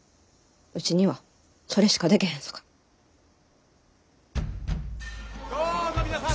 うちにはそれしかでけへんさかい。